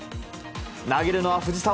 投げるのは藤澤。